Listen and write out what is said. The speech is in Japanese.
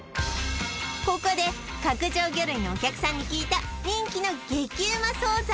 ここで角上魚類のお客さんに聞いた人気の激ウマ惣菜